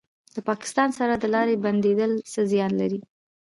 د پاکستان سره د لارې بندیدل څه زیان لري؟